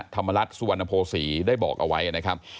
ธรรมรัฐสุวรรณโภษีได้บอกเอาไว้นะครับ